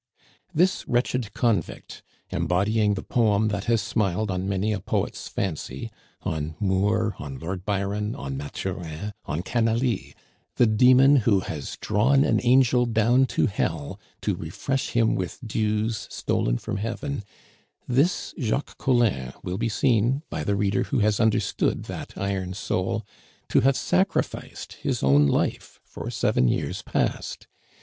This wretched convict, embodying the poem that has smiled on many a poet's fancy on Moore, on Lord Byron, on Mathurin, on Canalis the demon who has drawn an angel down to hell to refresh him with dews stolen from heaven, this Jacques Collin will be seen, by the reader who has understood that iron soul, to have sacrificed his own life for seven years past.